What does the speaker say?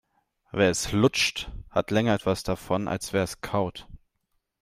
Wer es lutscht, hat länger etwas davon, als wer es kaut.